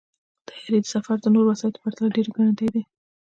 د طیارې سفر د نورو وسایطو پرتله ډېر ګړندی دی.